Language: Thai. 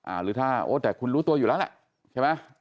หรือถ้าโอ้แต่คุณรู้ตัวอยู่แล้วแหละใช่ไหม